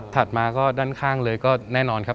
มาก็ด้านข้างเลยก็แน่นอนครับ